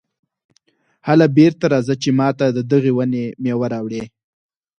هله بېرته راځه چې ماته د دغې ونې مېوه راوړې.